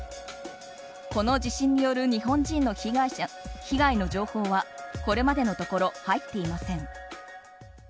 この地震による、日本人の被害の情報はこれまでのところ入っていません。